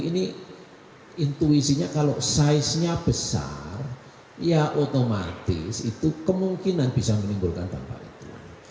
kalau ini intuisinya kalau saiznya besar ya otomatis itu kemungkinan bisa menimbulkan dampak itu